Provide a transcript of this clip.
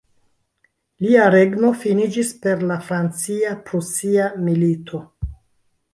Lia regno finiĝis per la Francia-Prusia Milito.